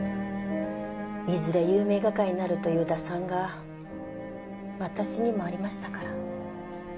いずれ有名画家になるという打算が私にもありましたから。